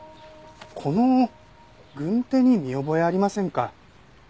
この軍手に見覚えありませんか？